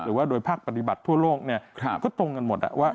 หรือว่าโดยภาคปฏิบัติทั่วโลกเนี่ยก็ตรงกันหมดว่า